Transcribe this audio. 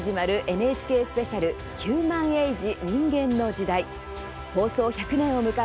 「ＮＨＫスペシャルヒューマンエイジ」。